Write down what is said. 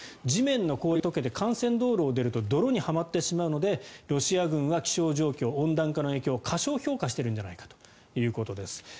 地面の氷が解けて幹線道路を出ると泥にはまってしまうのでロシア軍は気象状況温暖化の影響を過小評価しているんじゃないかということです。